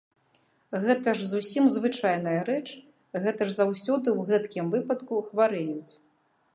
Гэта ж зусім звычайная рэч, гэта ж заўсёды ў гэткім выпадку хварэюць.